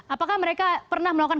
apakah mereka pernah melakukan